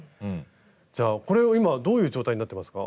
じゃあこれを今どういう状態になってますか？